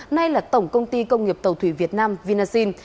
nay là tổng công ty công nghiệp tàu thủy việt nam vinasin